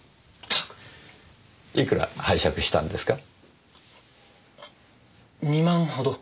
本当はいくら拝借したんですか？